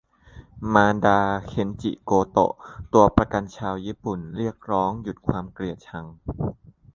มารดา "เคนจิ โกโตะ" ตัวประกันชาวญี่ปุ่น เรียกร้องหยุดความเกลียดชัง